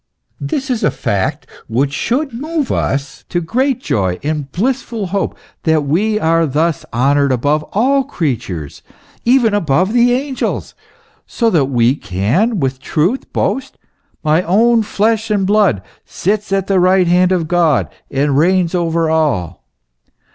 " This is a fact which should move us to great joy and blissful hope, that we are thus honoured above all creatures, even above the angels, so that we can with truth boast, my own flesh and blood sits at the right hand of God, and reigns over all.